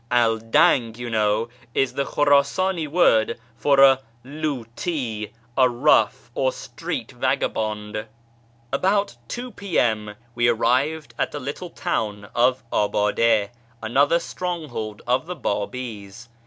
Aldang, you know, is the Ivlmrilsani word for a luti, a rough, or street vaofabond." About 2 P.M. we arrived at the little town of Abade, another stronghold of the Babi's.